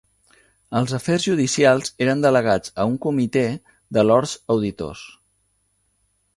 Els afers judicials eren delegats a un comitè de Lords Auditors.